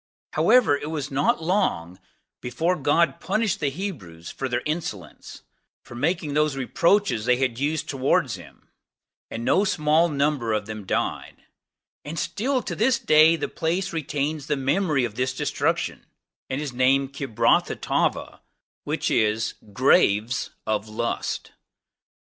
However, it was not long ere God punished the Hebrews for their insolence, those reproaches they had used towards him, no small number of them died; and still to this day the place retains the memory of this destruction and is named Kibrothhattaavah, which is, Graves of Lust.